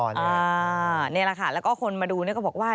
นี่แหละค่ะแล้วก็คนมาดูเนี่ยก็บอกว่า